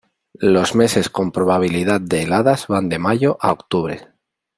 Los meses con probabilidad de heladas van de mayo a octubre.